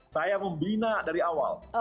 saya membina dari awal